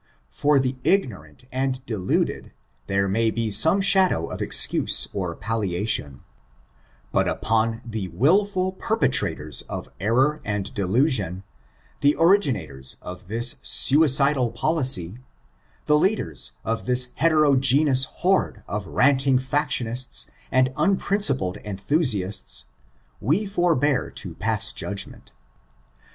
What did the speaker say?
For the ignorant and deluded, there may bo some riiadow of excuse or palliation; but upon the wilful perpetrators of error and deluaon— ^e ori^na tors of this suiddai policy — the leaders of this hetero geneous horde of ranting factionists and unprincipled enthuaasts, we forbear to pass judgment.